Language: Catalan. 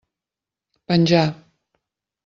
Penjà.